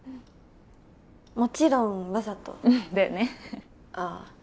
もちろんわざとうんだよねああ